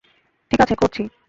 ঠিক আছে, করছি।